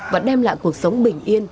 và đem lại cuộc sống bình yên